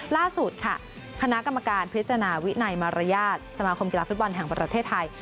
ล่าสุดค่ะคณะกรรมการพิจารณาวินัยมารยาทสมาคมกีฬาฟุตบอลแห่งประเทศไทย